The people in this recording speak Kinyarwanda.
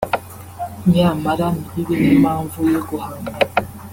nyamara ntibibe n’impamvu yo guhangana